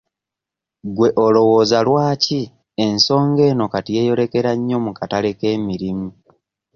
Gwe olowooza lwaki ensonga eno kati yeeyolekera nnyo mu katale k'emirimu?